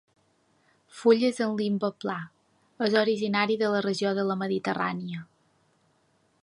Fulles amb limbe pla. És originari de la regió de la Mediterrània.